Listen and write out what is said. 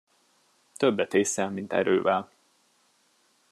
Többet ésszel, mint erővel.